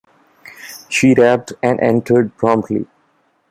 She rapped and entered promptly.